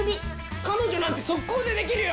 彼女なんて速攻で出来るよ！